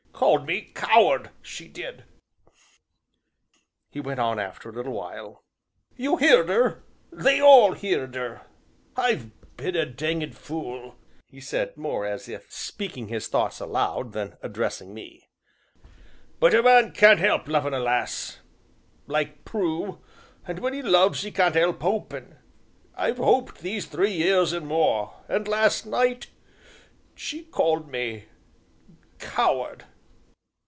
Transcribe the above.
"Called me 'coward'! she did," he went on after a little while. "You heerd her they all heerd her! I've been a danged fule!" he said, more as if speaking his thoughts aloud than addressing me, "but a man can't help lovin' a lass like Prue, and when 'e loves 'e can't 'elp hopin'. I've hoped these three years an' more, and last night she called me coward."